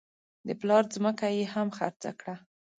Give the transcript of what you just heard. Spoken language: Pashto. د پلار ځمکه یې هم خرڅه کړه.